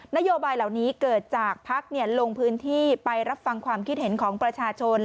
นโยบายเหล่านี้เกิดจากภักดิ์ลงพื้นที่ไปรับฟังความคิดเห็นของประชาชน